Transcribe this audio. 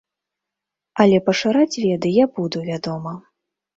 Але пашыраць веды я буду, вядома.